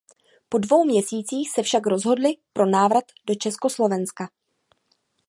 Po dvou měsících se však rozhodli pro návrat do Československa.